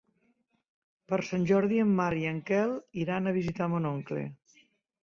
Per Sant Jordi en Marc i en Quel iran a visitar mon oncle.